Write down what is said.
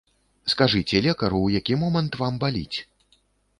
Скажыце лекару, у які момант вам баліць.